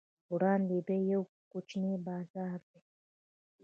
وړاندې بیا یو کوچنی بازار دی.